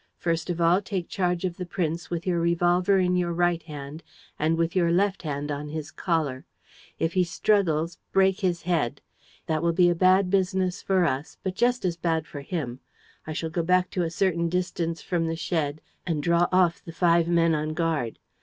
First of all, take charge of the prince, with your revolver in your right hand and with your left hand on his collar. If he struggles, break his head. That will be a bad business for us, but just as bad for him. I shall go back to a certain distance from the shed and draw off the five men on guard.